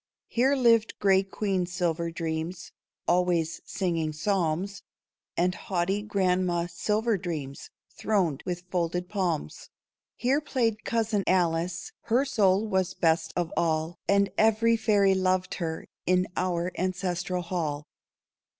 Here lived grey Queen Silver Dreams, Always singing psalms, And haughty Grandma Silver Dreams, Throned with folded palms. Here played cousin Alice. Her soul was best of all. And every fairy loved her, In our ancestral hall.